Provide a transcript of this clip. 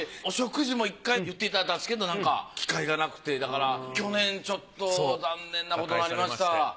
お食事も１回言っていただいたんですけどなんか機会がなくてだから去年ちょっと残念なことになりました。